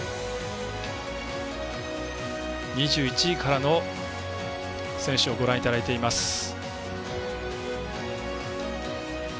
２１位からの選手をご覧いただいています。